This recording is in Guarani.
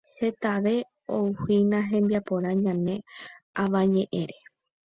Hetave ouhína hembiaporã ñane Avañeʼẽre.